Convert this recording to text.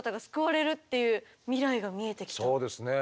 そうですね。